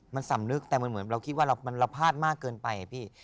มันสำนึกแต่มันเหมือนเราคิดว่ามันเราพลาดมากเกินไปพี่